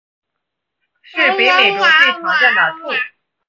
是北美洲最常见的兔。